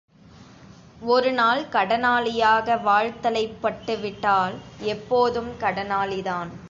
ஒரு நாள் கடனாளியாக வாழத்தலைப் பட்டுவிட்டால் எப்போதும் கடனாளிதான்.